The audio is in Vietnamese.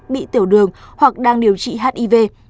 bị tiểu đường hoặc đang điều trị hiv